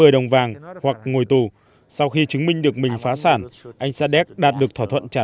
đồng vàng hoặc ngồi tù sau khi chứng minh được mình phá sản anh saadet đạt được thỏa thuận trả